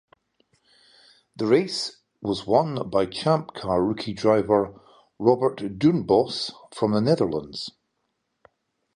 The race was won by Champ Car rookie driver Robert Doornbos from the Netherlands.